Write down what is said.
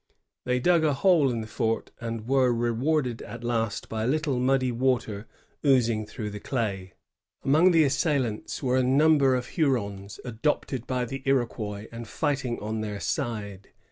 They dug a hole in the fort, and were rewarded at last by a little muddy water oozing through the clay. Among the assailants were a number of Hurons, adopted by the Iroquois and fighting on their side.